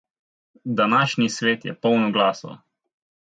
Današnji svet je poln oglasov.